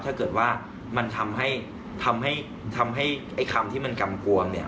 ถ้าเกิดว่ามันทำให้คำที่มันกำกวง